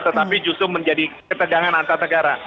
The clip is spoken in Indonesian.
tetapi justru menjadi ketegangan antar negara